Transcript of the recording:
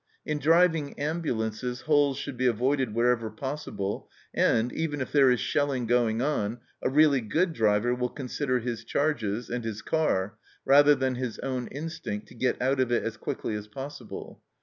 In driving ambu lances holes should be avoided wherever possible, and, even if there is shelling going on, a really good driver will consider his charges and his car rather than his own instinct to get out of it as quickly as possible.